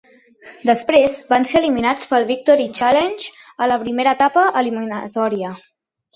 Després van ser eliminats pel Victory Challenge a la primera etapa eliminatòria.